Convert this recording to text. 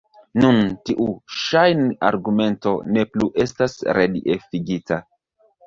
Nun tiu ŝajn-argumento ne plu estas reliefigita.